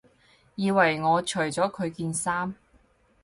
以為我除咗佢件衫